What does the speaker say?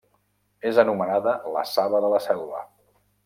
És anomenada la saba de la selva.